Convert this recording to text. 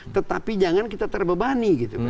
tetapi jangan kita terbebani